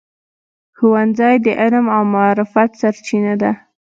ښوونځی د علم او معرفت سرچینه ده.